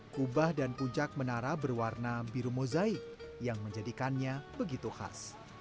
kubah dan puncak menara berwarna biru mozaik yang menjadikannya begitu khas